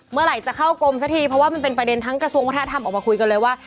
เมื่อไหร่จะเข้ากรมสักทีเพราะว่ามันเป็นประเด็นทั้งกระทรวงวัฒนธรรมออกมาคุยกันเลยว่า